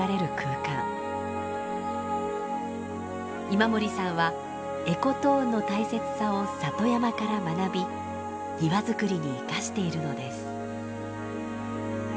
今森さんは「エコトーン」の大切さを里山から学び庭づくりに生かしているのです。